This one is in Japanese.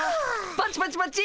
パチパチパチ！